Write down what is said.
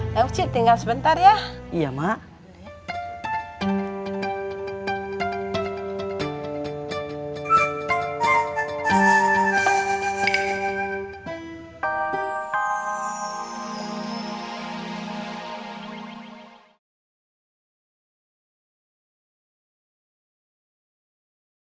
n ftj tinggal sebentar ya iya mak